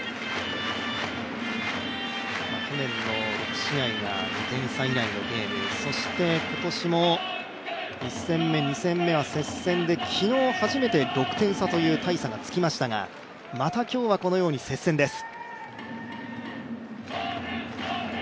去年の試合が２点差以内のゲーム、そして、今年も１戦目、２戦目は接戦で昨日初めて６点差という大差がつきましたがまた今日はこのように接戦です。